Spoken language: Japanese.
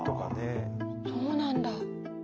そうなんだ。